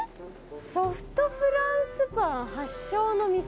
ソフトフランスパン発祥の店。